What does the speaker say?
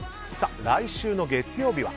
来週の月曜日は？